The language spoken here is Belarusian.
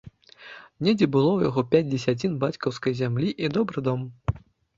Недзе было ў яго пяць дзесяцін бацькаўскай зямлі і добры дом.